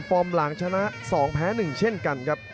ฟอร์มหลังชนะ๒แพ้๑เช่นกันครับ